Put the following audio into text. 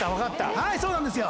はいそうなんですよ。